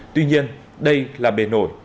tuy nhiên đây là bề nổi